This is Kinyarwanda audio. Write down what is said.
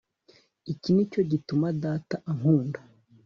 Iki ni cyo gituma Data ankunda